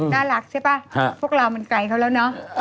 น่ารักใช่ป่ะพวกเรามันไกลเขาแล้วเนอะ